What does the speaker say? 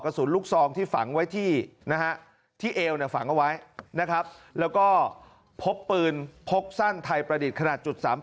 กระสุนลูกซองที่ฝังไว้ที่เอลฝังไว้แล้วก็พกปืนพกสั้นไทยประดิษฐ์ขนาด๓๘